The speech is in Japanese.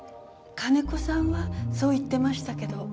金子さんはそう言ってましたけど。